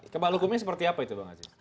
kebal hukumnya seperti apa itu bang aceh